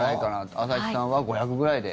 朝日さんは５００ぐらいで。